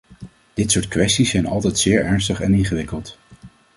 Dit soort kwesties zijn altijd zeer ernstig en ingewikkeld.